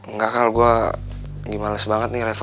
nggak kal gue malas banget nih reva